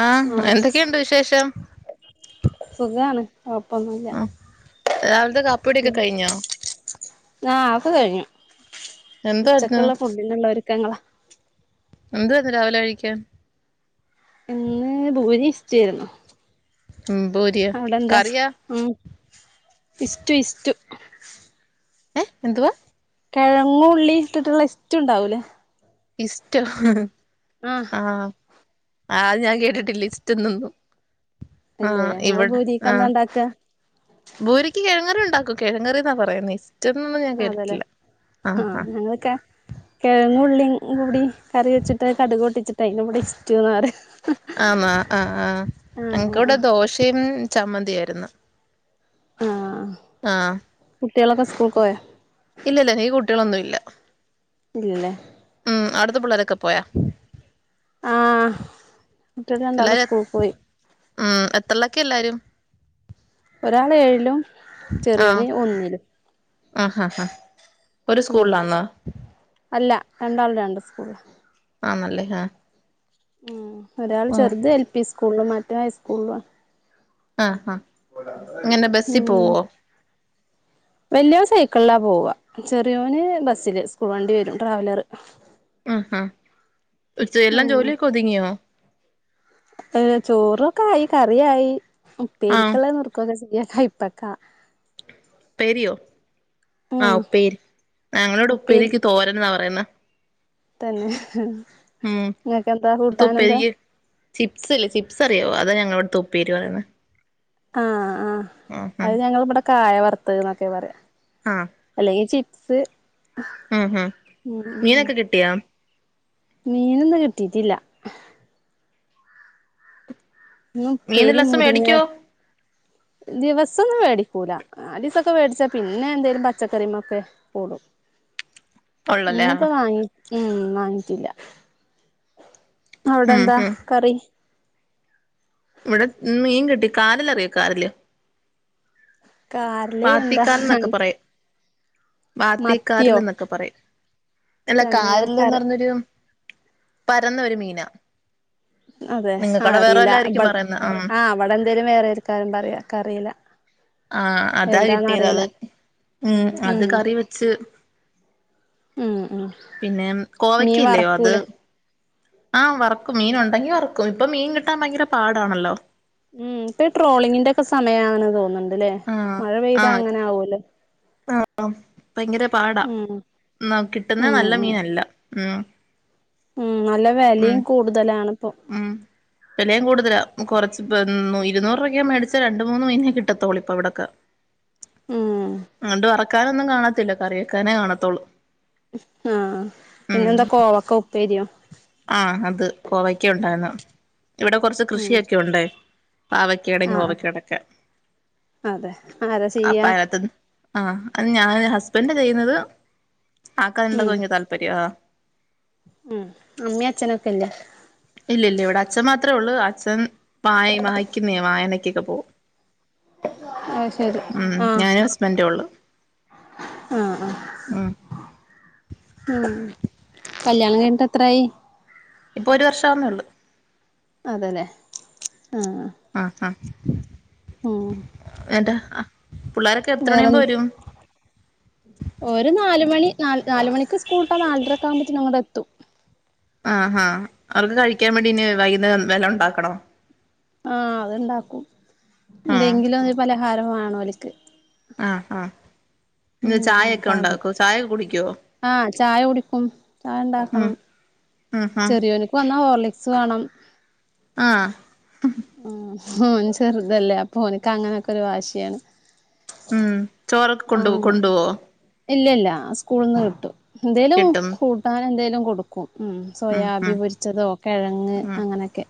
ആഹ് എന്തൊക്കെയുണ്ട് വിശേഷം സുഖാണ് കൊഴപ്പമൊന്നുമില്ല [unintelligible] എന്ത കാപ്പികുടിയൊക്കെ കഴിഞ്ഞോ? അത് കഴിഞ്ഞു. എന്തായിരുന്നു ഉച്ചക്കുള്ള ഫുഡിനുള്ള ഒരുക്കങ്ങളാ എന്തുവാ ഇന്ന് രാവിലെ കഴിക്കാൻ ഇന്ന് ബൂരി ഇഷ്ട്ടുവാരുന്നു ഉ ബൂരിയാ കറിയാ ഇഷ്ടു ഇഷ്ടു ഏ എന്തുവാ കിഴങ്ങുള്ളി ഇട്ടിട്ടുള്ള ഇഷ്ട്ടു എണ്ടാവൂല്ലേ ഇഷ്ട്ടു ആ ആഹ് അത് ഞാൻ കേട്ടിട്ടില്ല ഇഷ്റ്റുന്നൊന്നും ആ ഇല്ലല്ലേ നിങ്ങള് ഇവിടെ ഭൂരിക്ക് ആ എന്താ ഉണ്ടാക്കുക ബൂരിക്ക് കിഴങ്ങുകറി ഒ [unintelligible] കിഴങ്ങ്കറിന്നാ പറയന്നെ ഇസ് മറ്റന്നൊന്നും ഞാൻ അതെല്ലേ കേട്ടിട്ടില്ല ആഹ് ആ കിഴങ്ങും ഉള്ളികൂടി കറി വെച്ചിട്ട് കടക് പൊട്ടിച്ചിട്ട് അതിന്റെ കൂടി സ്റ്റ്യൂ എന്ന് പറയും ആ ആഹ ആഹ് ആഹ് ആഹ് എനക്ക്ൂടെ ദോശയും ചമ്മന്തിയായിരുന്നു ആഹ ആഹ് കുട്ടികൾ ഒക്കെ സ്കൂൾക്ക്‌ പോയോ കുട്ടികൾ ഒന്നുമില്ല ഇല്ലേ ഉം അവുടുത്തെ പിള്ളേരെ ഒക്കെ പോയോ ആ് കുട്ടടെ രണ്ടാളും എല്ലാരും സ്കൂൾ പോയി ഉം എത്രയിലൊക്കെ എല്ലാരും ഒരാൾ ഏഴിലും ചെറിയോന് ഒന്നില് ആ ഹാ ഹാ ഒരു സ്കൂളിലാന്നാ രണ്ടാളുടെ ഉണ്ട് സ്കൂള് ആണല്ലേ ആഹ ഉം ഒരാൾ ചെറുത് എൽ പി സ്കൂളി മാറ്റ ഹൈ സ്കൂൾ ആഹ ആഹ ഇങ്ങനെ ബസിൽ പോവോ വലിയയോൻ സൈക്കിളിലാ പോവ ചെറിയോന് ബസ്സില് സ്കൂൾ വണ്ടി വരും ട്രാവലർ ആഹാ എല്ലാം ജോലിയൊക്കെ ഒതുങ്ങിയോ ഏ ചോറൊക്കെ ആയി കറിയായി ആഹ് ഉപ്പേരിക്കുള്ളത് നുറുക്കികൊണ്ടിരി ചെയ്യാ കൈപ്പക്കാ ഉപ്പേരിയോ ആഹ ഉപ്പേരി ഞങ്ങളോട് ഉപ്പേരി ഉപ്പേരിക്ക് തോരൻ എന്നാ പറയുന്ന തന്നെ ഉം നിങ്ങക്ക് എന്താ കൂട്ടാൻ എന്താ ചിപ്സ്ല്ല ചിപ്സ് അറിയമോ അതാ ഞങ്ങങ്ങള ഇവിടുതെ ഉപ്പേരി പറയുന്നത് ആഹ ആഹ് അത് ഞങ്ങ ഇവിടെ കായ വറുത്തക എന്നൊക്കെ പറയാം അല്ലങ്ക ചിപ് - സ് മ് മ് മീനൊക്കെ കിട്ടിയാ മീനിന്ന് കിട്ടീട്ടില്ല ഇന്ന് മീൻ ഉപ്പേരി എല്ലാ ദിവസവും മുരിങ്ങ മേടിക്കുവോ ദിവസ് ദിവസൊന്നും മേടിക്കുല നാലീസക്കെ മേടിച്ചാൽ പിന്നെ എന്തേലും പച്ചക്കറിമ്മേക്കെ കൂടും ഒള്ളല്ലേ ഇന്ന്പ്പ ആഹ് വാങ്ങി ഉം വാങ്ങിറ്റില്ല ഉം അവിടെന്താ ഉം കറി ഇവിടെ ഇന്ന് മീൻ കിട്ടി കാര ലറിയോ കാരൽ കാരല് എന്താ ബാത്തിക്കാരിൽ മത്തിയോ എന്നൊക്കെ പറയും അല്ല പിന്നെ കാരല്ലന്ന് കറി പറഞ്ഞൊരു പരന്നൊ ഒരു മീന അതെ ആ അറിയില്ല പറയുന്ന ഉം ആ അവിടെ എന്തേലും വേറെക്കരം പറയാ ഇക്കറീല ആഹ് അതാ കിട്ടിയത് അത് ഉം അത് കറി വെച്ച് ഉം ഉം പിന്നെ മീൻ കോവയ്ക്കില്ലയോ അത് വറക്കൂലേ ആ വറക്കും മീൻ ഉണ്ടങ്കിൽ വറക്കും ഇപ്പൊ മീൻ കിട്ടാൻ ഭയങ്കര പാടാണല്ലോ ഉം ഇപ്പൊ ട്രോളിങ്ങിന്റെ ഒക്കെ സമയെന്ന് തോന്നുന്നുണ്ട് അല്ലെ മഴ പെയ്താ അങ്ങനെ ആവേല്ലേ ആ ഭയങ്കര പാടാ ഉം യെന്ന കിട്ടുന്നത് ഉം നല്ല ഉം മീനല്ല ആ ഉം നല്ല വെലേം കൂടുതലാണ് ഉം വെലയും കൂടും [unintelligible] കൊറച്ച് ഇരുന്നൂർ രൂപക്ക് മേടിച്ച രണ്ട് മൂന്ന് മീനെ കിട്ടത്തോളൂ ഇപ്പ ഇവിടക്കെ ഉം അതോണ്ട് വറക്കാനൊന്നും കാണത്തില്ല കറി വെക്കാനേ കാണത്തോളൂ ആ പിന്നെന്താ കോവക്ക ഉ പ്പെരിയോ ആ അത് കോവക്കഉണ്ടായിരുന്നു ഇവിടെ കൊറച്ച് ഉം കൃഷിയൊക്കെ ഒണ്ടേ പാവയ്ക്കടോ കോവ ആഹ് ക്കടൊക്കെ അതെ ആരാ ആ ചെയ്യാ പഴത്ത്ന്ന് ആ അത് ഞാൻ ഹസ്ബന്റ് ചെയ്യുന്നത് ആൾക്കാണ്ടെ ഉം കുത്ത് താല്പര്യ ഉം അമ്മി അച്ഛനൊക്കെല്ല ഇല്ല ല്ല ഇവിടെ അച്ഛൻ മാത്രമേ ഉള്ളൂ അച്ഛൻ വായ വായിക്കിന്നേ വായനക്കൊക്കെ പോവും അത് ശരി ഉം ആഹ് ഞാനും ഹസ്ബൻ്റൊള്ളു ആഹ് ആഹ് ഉം ഉം കല്യാണം കഴിഞ്ഞിട്ടെത്രായി ഇപ്പൊ ഒരു വർഷം ആ വുന്നൊള്ളൂ അതല്ലെ ആ ആ ആ ഉം അതാ ആ വേറെ ൻ ഓര് നാല് മണി ന നാലുമണിക്ക് സ്കൂൾട്ടാനാലരക്ക കുമ്പോത്തിന്ങ്ങടെ ത്തും ആ ആ അവർക്ക് കഴിക്കാൻ വേണ്ടിന് വൈകുന്നേരം വല്ലോം ണ്ടാക്കണോ ആ അത്ണ്ടാക്കും ആഹ് എന്തെങ്കിലും പലഹാരമാണോല് ക്ക് ആഹ് ആഹ് ഇന്ന് ഉം ചായൊക്കെ പർ ഉണ്ടാക്കോ ചായ കുടിക്കുവോ ആ ചായ കുടിക്കും ചായ ഉം ണ്ടാക്കണം ഉം ഉം ചെറിയോനിക്ക് വന്നാ ഓർല ക്സ് വാണം ആ ഉം ഓൻ ചെർതല്ലേ അപ്പോൻക്ക് അങ്ങനെ ക്കൊരു വാശ്യാണ് ഉം ചോറൊക്കെ കൊണ്ടൊവൊ കൊണ്ടൊ വൊ ഇല്ല ല്ല സ്കൂൾന്ന് കിട്ടും എന്തേലും കിട്ടും കൂട്ടാനെന്തേലും കൊടുക്കും ഉം ഉം സോയാബി ഉം പൊരിച്ചതോ കെഴങ്ങ് ഉം അങ്ങനെക്കെ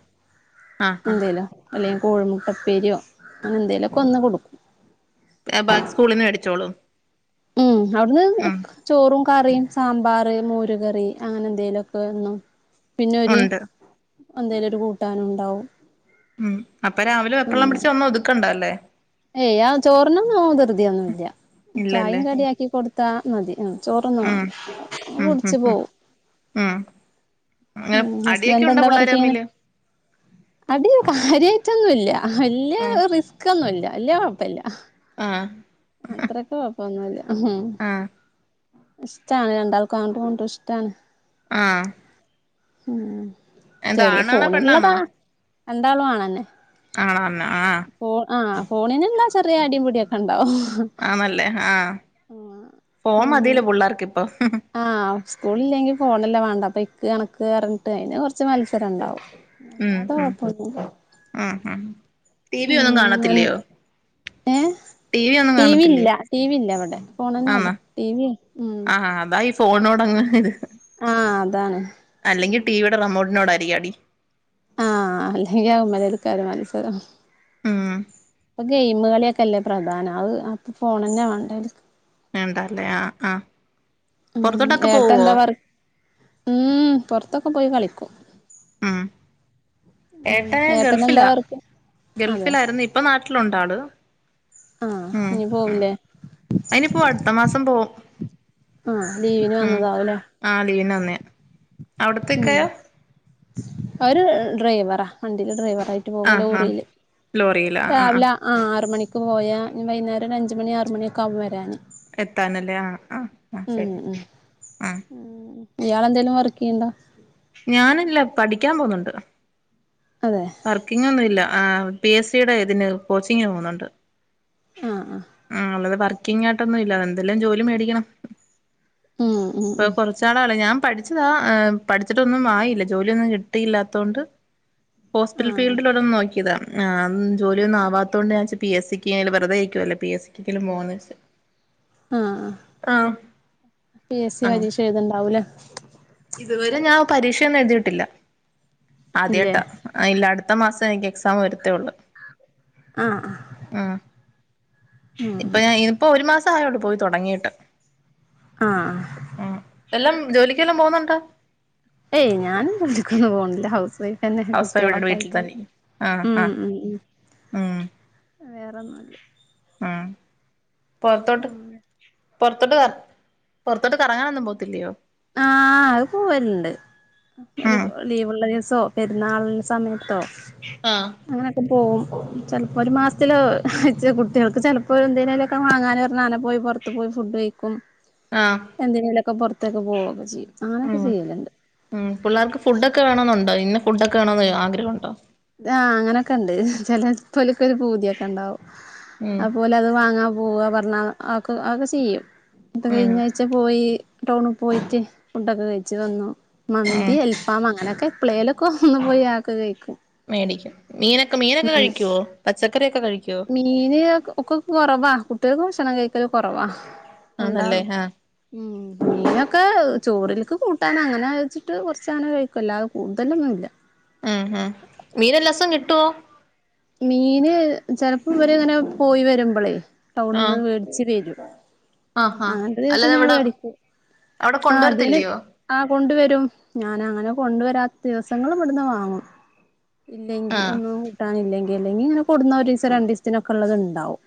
ആഹ് എന്തേലാ അല്ലെങ്കിൽ കോഴിമുട്ടപ്പേരിയോ അങ്ങനെ എന്തേലൊക്കൊന്ന് കൊട് എ ബാക്കി സ്കൂളിന്ന് മേടിച്ചോളോ ഉം അവിട്ന്ന് ചോറും കറിയും സാമ്പാർ മോരുകറി അങ്ങനെന്തെലൊക്കെന്നും പിന്നൊര് ഉണ്ട് എന്തേലൊര് കൂട്ടാനുണ്ടാവും ഉം അപ്പ രാവിലെ വെപ്രാളം പിടിച്ച് ഒന്നും ഒതുക്കണ്ട ല്ലേ ഏയ് ആ ചോറിനൊന്നും ധൃതിയൊന്നും ഇല്ല ഇല്ലല്ലേ ചായും കടിയാക്കി കൊടുത് ത മദി ആഹ് ചോറൊന്നും ഉം ഉം ഉം ടിച്ചു ഉം പോവും ഉം അങ്ങനെ ഉം അടിയൊക്കെ ഹസ്ബൻറ് ഉണ്ടോ എന്താ പിള്ളേര് വർക്ക് ചെയ്യാനെ തമ്മില് [unintelligible] കാര്യ ന്നുവില്ല വല്യ ഉം റിസ്കൊന്നുല്ല വല്യ കുഴപ്പല്ല ആഹ് അത്രക്ക കുഴപ്പമൊന്നുമില്ല ആഹ് ഇഷ്ടണ് രണ്ടാൾക്കും അങ്ങോട്ട് ഇങ്ങോട്ട് ഇഷ്ടണ് ആഹ് ഉം എന്താ ചെറിയ ആണാണോ ഫോണിള്ളതാ രണ്ടാളും ആണെന്നെ ആർഞ്ഞ ആഹ് ഫോണിനുള്ള ചെറിയ അടിയും പിടിയൊക്കെ ഇണ്ടാവും ആഹ്‌ നല്ലേ ആഹ് ഫോം അങ്ങനെ മതില്ലോ പിള്ളേർക്ക് ഇപ്പൊ ആഹ് സ്കൂളില്ലെങ്കി ഫോണല്ല വേണ്ട അപ്പ ഇക്ക് കണക്ക് റിഞ്ഞിട്ട് അതിന് കൊറച്ച് മത്സ രണ്ടാവും ഉം അല്ലാത്ത ഉം കൊഴപ്പൊന്ന്ല ഉം ഉം ടി വി ഒന്നും ഉം കാണത്തില്ലയോ ഏ ടി വി ഇല്ല ടി വി ഇല്ല ഇവിടെ ഫോണന്നെ ഒള്ളൂ ആന്നോ ടി വി വി ആഹ് ഹ ദാ ഈ ഫ് ഫോണോട് അങ്ങനെത് ആഹ് അതാണ് അല്ലെങ്കിൽ ഉം ടിവിടെ റിമോട്ടിനോടായി അടിയടി ആഹ് അല്ലെങ്കിൽ ആകുമമ്മലൽക്കറ് മത്സര ഉം ഇപ്പ ഗെയിംമ് കളി ഒ ക്കെ അല്ലെ പ്രധാനം. അയ് അപ്പ ഫോണെന്നെ വാണ്ടെ ഓൽക്ക് വേണ്ടാ ലെ ആഹ് ആഹ് ഉം പുറത്തോട്ടൊക്കെ ഏട്ട പോവോ എന്താ വർ ഉം പൊർത്തൊ ക്കെ പോയി കളിക്കും. ആ ഉം ഏട്ടെന് ഏട്ടനെന്താ ഗൾഫിലാ വർക്ക് അതെ ഗൾഫിലായിരുന്നു. ഇപ്പ നാട്ടിലുണ്ട് ആൾ ആഹ് ഉം ഇനി ഉം പോവുലേ അയ് ഇനിപ്പോവും അട്ത്ത മാസം പോവും ആ ലീവിന് ഉം വന്നതാവൂലേ അവിടത്തേക്കായാ അവര് ഡ്രൈവറാ വണ്ടിയിലെ ഡ്രൈവർ ആ ആ ലോറിയി രാവില ആ ആറ് മണിക്ക് പോയാ വൈകുന്നേരം അഞ്ച് മണി ആറ് മണി ഒക്കൊവും വരാന് എത്താനല്ലേ ആ ആഹ് ആ ഉം ശരി ഉം ആ ഉം ഇയാളെന്തേലും വർക്ക് ചെയ്ണ്ടോ ഞാനല്ല പഠിക്കാൻ പോന്നണ്ട് അതെ വർക്കിങ് ഒന്നൂല്ല ആഹ് ആ പി എസ് സിയുടെ ഇതിന് കോച്ചിങ്ന് പോന്നുണ്ട്. ആഹ് ആഹ് ആ ഉള്ളത് പർ ക്കിങ്ങാട്ടൊന്നും ഇല്ല എന്തെല്ലാം ജോലി മേടിക്കണം ഉം ഉം ഇപ്പൊ ഉം കുറച്ചാളാള ഞാം പഠിച്ചതാ പഠിച്ചിട്ടൊന്നും ആയില്ല ജോലിയൊന്നും കിട്ടിയില്ലാത്തോണ്ട് ഹോസ്പിറ്റൽ ആഹ് ഫീൽഡിൽ ഒരോന്ന് നോക്കിയതാ ആഹ് ജോലിയ ഒന്നും ആവാത്തതോണ്ട് ഞാൻച് പി എസ് സി ക്കേല് വെറുതെഇക്കുയല്ലേ പി എസ് സി ക്കെങ്കിലും പോകാന്ന് വെച്ച് ആ ആ ആ പി എസ് സി ആ പരീക്ഷ എഴതുണ്ടാവൂലേ ഇതുവരെ ഞാൻ പരീക്ഷയൊന്ന എഴുതിട്ടില്ല ഇല്ലേ ആദ്യാട്ടാ ഇല്ല അടത് അടുത്ത ത് മാസം എനിക്ക് എക്സാം വരത്തേ ഉള്ള് ആഹ് ആ ആഹ് ഉം ഇപ്പൊ ഞാ ഇനിപ്പോ ഒരു മാസ് സായോട് പോയി തുടങ്ങിട്ട് ആ ആ ല്ലം ജോലിക്കെല്ലാം പോകുന്നു ത്ത ഏയ് ഞൻ ജോലിക്കൊന്നും പോണില്ല ഹൗസ് വൈഫ് എന്ന ഹൗസ് വൈഫ് ഇവിടെ കുട്ടികളൊക്കെ വീട്ടിൽ ആയിട്ട് തന്നെ ആഹ് ഉം ആഹ് ഉം ഉം വേറൊന്നുല്ല പുറത്തോട്ട് പുർ ത്തോട്ട് പുറത്തോട്ട് കറങ്ങാനൊന്നും പോത്തില്ലയോ ആ അത് പോവലുണ്ട് ഒരു ഉം ലീവ്ള്ള ദിവസോ പെരുന്നാൾന് സമയത്തോ ആഹ് അങ്ങനൊക്കെ പോവും ചിലപ്പോ ഒരു മാസത്തില് കുട്ടികൾക്ക് ചിലപ്പോ എന്തിന്നേലുംമൊക്കെ വാങ്ങാൻ പറഞ്ഞാ അങ്ങനെ പോയി പുറത്ത് പോയി ഫുഡ് കഴിക്കും ആഹ് എന്തിന്നേലൊക്കെ പൊർ പോകുക്കോ ചെയ്യും ഉം ഉം പുള്ളാർക്ക് ഫുഡൊക്കെ വേണെന്നുണ്ടോ ഇന്നാ ഫുഡോക്കെ വണന്ന് ആഗ്രഹുണ്ടോ ആ അങ്ങനെയൊക്കെ ഉണ്ട് ചിലപ്പോലക്ക ഒരു പൂതിയൊക്കെ ഉണ്ടാവും ഉം അതുപോലെ അത് വാങ്ങാ പോവാ പറഞ്ഞാ ആക്ക ആക്കെ ചെയ്യും ന്നിട്ട് ഉം കഴിഞ്ഞായിച്ച പോയി ടൗണിൽ പോയിട്ട് ഫുഡൊക്കെ കഴിച്ച് വന്നു ഉം മന്തി അൽഫാം അങ്ങനെ എപ്പളേലൊക്കെ ഒന്ന് പോയി അതൊക്കെ കഴിക്കും മേടിക്കും മീനൊക്കെ മീനൊക്കെ ഉം കഴിക്കുവോ പച്ചക്കറിയോക്കെ കഴിക്കുവോ കുട്ടിഅക്ക് ഭക്ഷണം കഴിക്കല് കൊറവാ ആന്നല്ലേ രണ്ടാളും ആഹ് ഉം മീനൊക്കെ ചോറിലേക്ക് കൂട്ടാൻ അങ്ങനെ ഒഴിച്ചിട്ട് കുറച്ചങ്ങനെ കഴിക്കും അല്ലാതെ കൂടുതലൊന്നും ഇല്ല ആ ഹാ മീനെല്ലാസം കിട്ടോ മീന് ചെലപ്പോ ഇവരിങ്ങനെ പോയി വരുമ്പോളേ ടൗണിന് ആഹ് വേടിച്ച്തെരും ആഹ് ആഹ് അങ്ങനത്തെ ദിവസം അല്ലാതെ ഞാൻ ഇവിടെ മേടിക്കും അവിടെ ആ അതന്നെ കൊണ്ടുവരത്തില്ലയോ ആ കൊണ്ടുവരും ഞാൻ അങ്ങനെ കൊണ്ടുവരാത്ത ദിവസങ്ങളും ഇവിടുന്ന് വാങ്ങും ഇല്ലെങ്കി ആഹ് ഒന്നും കൂട്ടാനില്ലെങ്കിൽ അല്ലെങ്കി ഇങ്ങനെ കൊടുന്ന ഒരു ദിവസം രണ്ട് ദിവസത്തിന്നൊക്കെ ഉള്ളത് ഉണ്ടാവും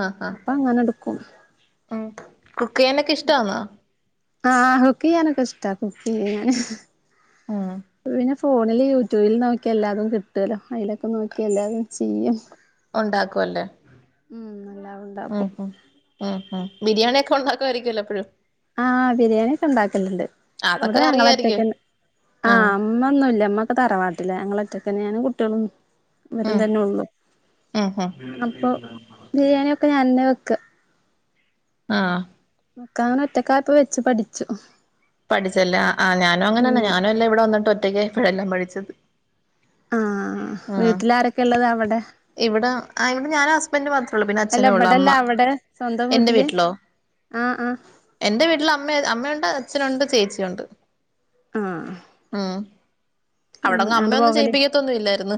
ആഹ് ആഹ് അപ്പൊ അങ്ങനെണ്ട് ഉം കുക്ക് ചെയ്യാനൊക്കെ ഇഷ്ടാന്നോ ആഹാ കുക്ക് ചെയ്യാനൊക്കെ ഇഷ്ടാ കുക്ക് ചെയ്യാൻ ഉം അപ്പൊ പിന്നെ ഫോണിൽ യൂട്യൂബിൽ നോക്കി എല്ലാതും കിട്ടുമല്ലോ അതിലൊക്കെ നോക്കി എല്ലാതും ചെയ്യും ഉണ്ടാക്കും അല്ലേ ഉം എല്ലാം ഉം ഉണ്ടാക്കും ഉം ഉം ഉം ബിരിയാണി ഒക്കെ ഉണ്ടാക്കായിരിക്കുവല്ലോ എപ്പഴും ആഹ ബിരിയാണിയൊക്കെ ഉണ്ടാക്കലുണ്ട് ഇവിടെ അതൊക്കെ അറിയായിരിക്കും ഞങ്ങളറ്റക്ക ആ ആഹ് ഉമ്മ ഒന്നുംഇല്ല ഉമ്മക്കെ തറവാട്ടിലാ ഞങ്ങള ഒറ്റക്കെന്നെയാണ് കുട്ടിയളും വരും ഉം തന്നെ ഉള്ളു ഉം ഉം അപ്പൊ ബിരിയാണിയൊ ഒകെ ഞാൻ എന്നെ വെക്ക ആഹ് ഒകെ അങ്ങനെ ഒറ്റകായപ്പൊ വെച്ചു പഠിച്ചു പഠിച്ചലാ ആ ഞാനും അങ്ങനെന്നെ ഞാനും എല്ലാം ഇവിടെ വന്നിട്ട് ഒറ്റയ്ക്ക് ഇപ്പഴെല്ലാം പഠിച്ചത് ആഹ് ആ വീട്ടിലാരൊക്കെ ഉള്ളത് അവിടെ ഇവിടെ ആ ഇവിടെ ഞാൻ ഹസ്ബൻഡ് മാത്രേ ഉള്ളൂ പിന്നെ അല്ല അച്ഛനെ ഉള്ളു അമ്മ ഇവിടെല്ല അവിടെ സ്വന്തം എന്റെ വീട്ടില് വീട്ടിലോ ആഹ് ആഹ് എന്റെ വീട്ടിൽ അമ്മ അമ്മയുണ്ട് അച്ഛനുണ്ട് ചേച്ചിയുണ്ട് ആഹ് ആഹ് അവിടന്ന് ആണ്ട് അമ്മയൊന്നും പോവല് ചെയ്യിപ്പിക്കത്തൊന്നും ഇല്ലായിരുന്നു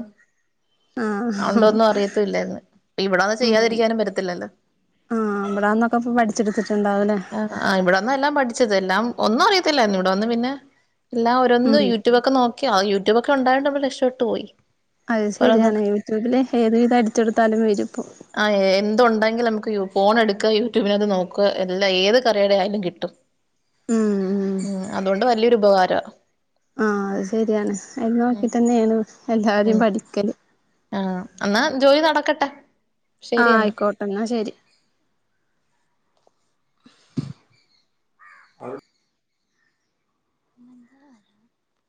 ആഹ് പണ്ടൊന്നും അറിയത്തില്ലായിരുന്നു ഇവിട വന്ന് ഉം ചെയ്യാതിരിക്കാനും പറ്റത്തില്ലല്ലോ ആഹ് ഇവിടാന്നൊക്കെ ഇപ്പ പഠിച്ചെടുത്തിട്ടുണ്ടാവുല്ലേ ആ ഇവിടെന്ന എല്ലാം പഠിച്ചത് എല്ലാം ഒന്നും അറിയത്തില്ലാരുന്നു ഇവിടെ വന്ന് പിന്നെ എല്ലാം ഓരോന്ന് ഉം യൂട്യൂബ ക്കെ നോക്കിയാ യൂട്യൂബൊ ഒക്കെ ഉണ്ടായോണ്ട് നമ്മൾ രക്ഷപ്പെട്ട് പോയി അത് ശരിയാണ് ഓരോന്നൊക്കെ യൂട്യൂബില് ഏത് വിധം അടിച്ചൊടുത്താലും വരും ഇപ്പം ആ എന്തുണ്ടെങ്കിലും നമുക്ക് യ ഫോൺ എടുക്ക യൂട്യൂബിനത് നോക്ക എല്ലാ ഏത് കറിയുടെ ആയാലും കിട്ടും ഉം അതുകൊണ്ട് വലിയൊരു ഉപകാര [unintelligible] ആഹ് അത് സരിയാണ് അത് നോക്കിട്ട് തന്നെയാണ് എല്ലാരും ഉം പഠിക്കൽ ആഹ് എന്നാ ജോലി നടക്കട്ടെ ആഹ് ആയിക്കോട്ടെ എന്നാ ശരി ആ [inaudible]